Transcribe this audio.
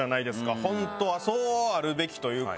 ホントはそうあるべきというか。